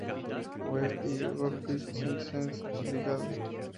West, y el Upright Citizens Brigade.